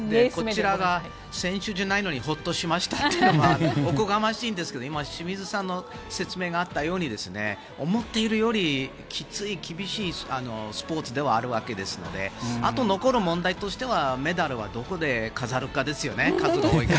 こちらが選手じゃないのにほっとしましたというのはおこがましいんですが今、清水さんの説明があったように思っているよりきつい、厳しいスポーツではあるわけですのであと残る問題としてはメダルはどこで飾るかですよね。